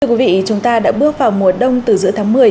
quý vị chúng ta đã bước vào mùa đông từ giữa tháng một mươi